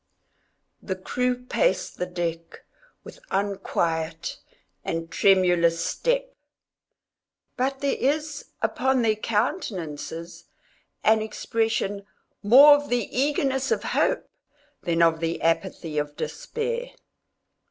The crew pace the deck with unquiet and tremulous step; but there is upon their countenances an expression more of the eagerness of hope than of the apathy of despair.